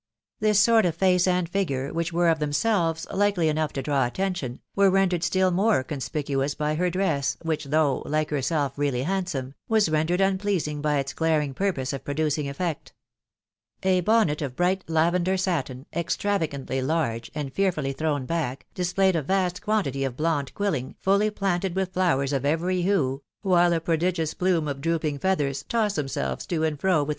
This sort of face and figure, which were of themselves likely enough to draw attention, were rendered •till more 'Conspicuous by iter duets, which, though, like her ■self really handsome, was rendered unpleaaing by its glaring purpose of producing effect. A bonnet of bright lavender satin, extravagantly large, and fearfully thrown back, displayed « vast quantity of blonde quilling, *iHy planted .with 'flowers of every hue, while a prodigious •phsme of drooping feathers tossed themselves to «nd fro with .